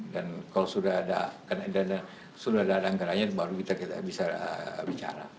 dan kalau sudah ada anggarannya baru kita bisa bicara